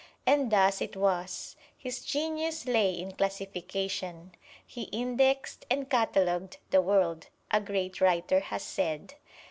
And thus it was: his genius lay in classification. "He indexed and catalogued the world," a great writer has said.